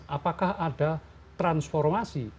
apakah ada transformasi